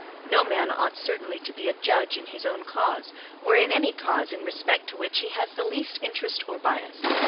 No man ought certainly to be a judge in his own cause, or in any cause in respect to which he has the least interest or bias.